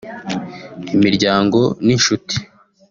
Imiryango n’inshuti